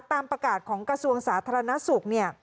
ตามประกาศของกระทรวงสาธารณสุขเนี่ย